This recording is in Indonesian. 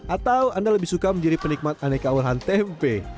atau anda lebih suka menjadi penikmat aneka olahan tempe